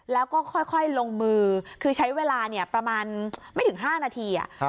แล้วก็ค่อยค่อยลงมือคือใช้เวลาเนี้ยประมาณไม่ถึงห้านาทีอะ